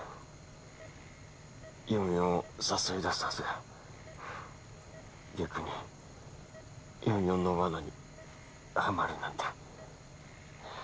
４４を誘い出すはずが逆に４４の罠にはまるなんて。